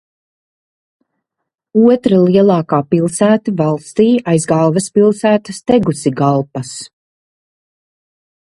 Otra lielākā pilsēta valstī aiz galvaspilsētas Tegusigalpas.